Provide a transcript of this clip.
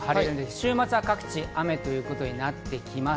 週末は各地雨ということになってきます。